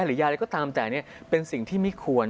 หรือยาอะไรก็ตามแต่เป็นสิ่งที่ไม่ควร